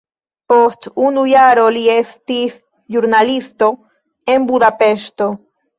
Post unu jaro li estis ĵurnalisto en Budapeŝto.